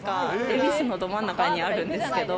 恵比寿のど真ん中にあるんですけど。